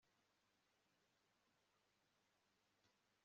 basabwaga ko igitambo cyose bazanye imbere y'imana kigomba kuba kidafite inenge